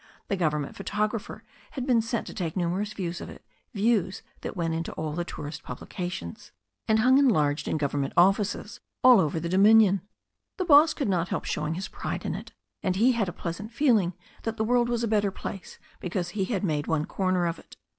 The Government pho tographer had been sent to take numerous views of it, views that went into all the tourist publications^ and hutv^ ^xAa.x^^^ 274 THE STORY OF A NEW ZEALAND RIVER in goverament offices all over the dominion. The boss could not help showing his pride in it. And he had a pleasant feeling that the world was a better place because he had made one corner of it.